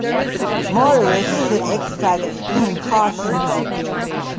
Motorists should exercise extreme caution.